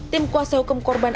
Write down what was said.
tim kuasa hukum korban